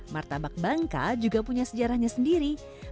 martabak bangka juga punya sejarahnya sendiri